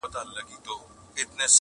په اړه په طنزي ډول خبري کوي